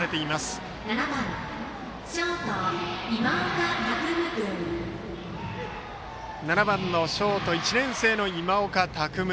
バッターは７番ショート、１年生の今岡拓夢。